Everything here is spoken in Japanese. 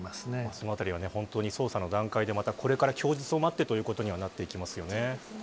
そのあたりは、捜査の段階でこれから供述を待ってということにはなりますよね。